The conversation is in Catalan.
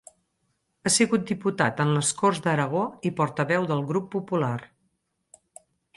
Ha sigut diputat en les Corts d'Aragó i Portaveu del Grup Popular.